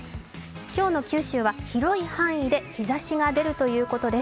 今日の九州は広い範囲で日ざしが出るということです。